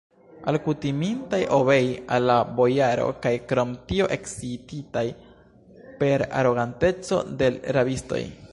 Alkutimintaj obei al la bojaro kaj krom tio ekscititaj per aroganteco de l' rabistoj